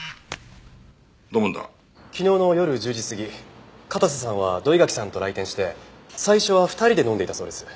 昨日の夜１０時過ぎ片瀬さんは土居垣さんと来店して最初は２人で飲んでいたそうです。